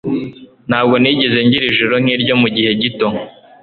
Ntabwo nigeze ngira ijoro nkiryo mugihe gito